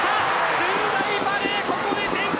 駿台バレー、ここで全開！